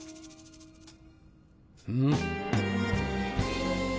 うん。